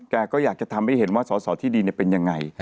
ก็อยากจะทำให้เห็นว่าสอสอที่ดีเป็นยังไง